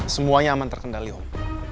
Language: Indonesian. semuanya aman terkendali om